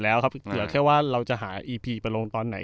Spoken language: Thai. แล้วครับเหลือแค่ว่าเราจะหาอีพีไปลงตอนไหน